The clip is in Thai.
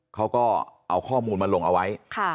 เขาก็เอาข้อมูลมาลงเอาไว้